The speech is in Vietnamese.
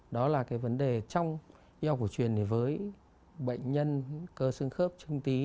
đó là cái vấn đề trong y học của truyền với bệnh nhân cơ sưng khớp chứng tí